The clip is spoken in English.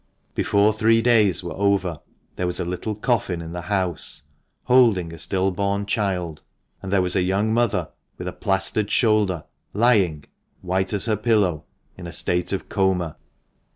Before three days were over there was a little coffin in the house, holding a still born child, and there was a young mother, with a plaistered shoulder, lying, white as her pillow, in a state of coma.